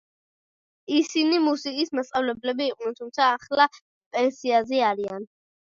ისინი მუსიკის მასწავლებლები იყვნენ, თუმცა ახლა პენსიაზე არიან.